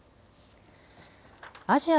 アジア